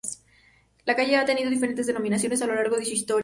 La calle ha tenido diferentes denominaciones a lo largo de su historia.